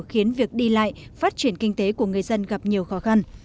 khiến việc đi lại phát triển kinh tế của người dân gặp nhiều khó khăn